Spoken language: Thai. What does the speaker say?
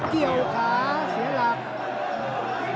เกี่ยวขาเสียหลัก